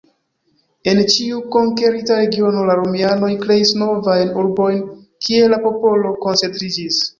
En ĉiu konkerita regiono la romianoj kreis novajn urbojn, kie la popolo koncentriĝis.